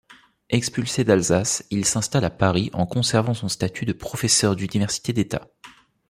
Expulsé d'Alsace, il s'installe à Paris, en conservant son statut de professeur d'université d'État.